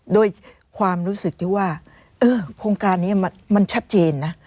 โดยความรู้สึกที่ว่าโครงการนี้มันชัดเจนนะ